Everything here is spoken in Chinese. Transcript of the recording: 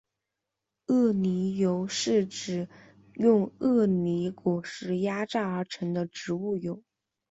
鳄梨油是指用鳄梨果实压榨而成的植物油。